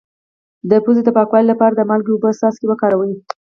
د پوزې د پاکوالي لپاره د مالګې او اوبو څاڅکي وکاروئ